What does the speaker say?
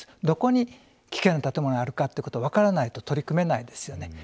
どこに危険な建物があるかということを分からないと取り組めないですよね。